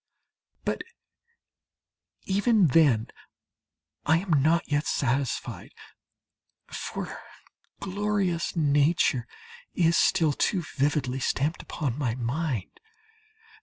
But even then I am not yet satisfied, for glorious Nature is still too vividly stamped upon my mind.